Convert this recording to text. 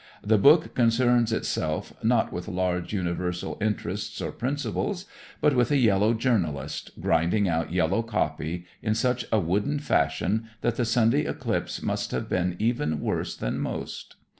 The book concerns itself not with large, universal interests or principles, but with a yellow journalist grinding out yellow copy in such a wooden fashion that the Sunday "Eclipse" must have been even worse than most.